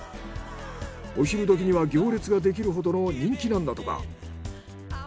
お昼時には行列ができるほどの人気なんだとか。